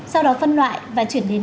sau đó phân loại và chuyển đến